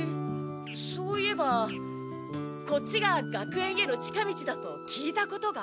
そういえばこっちが学園への近道だと聞いたことがある。